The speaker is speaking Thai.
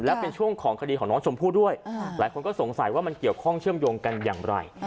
และเป็นช่วงของคดีของน้องชมพู่ด้วยหลายคนก็สงสัยว่ามันเกี่ยวข้องเชื่อมโยงกันอย่างไร